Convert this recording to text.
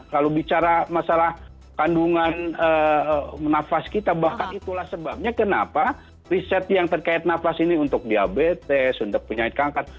kalau bicara masalah kandungan nafas kita bahkan itulah sebabnya kenapa riset yang terkait nafas ini untuk diabetes untuk penyakit kanker